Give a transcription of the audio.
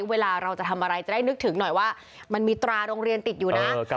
เวลาเราจะทำอะไรจะได้นึกถึงหน่อยว่ามันมีตราโรงเรียนติดอยู่นะ